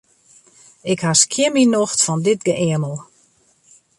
Ik ha skjin myn nocht fan dit geëamel.